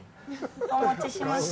お持ちしました。